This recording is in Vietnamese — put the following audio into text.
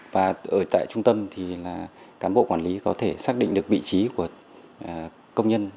và ở tại trung tâm thì là cán bộ quản lý có thể xác định được vị trí của công nhân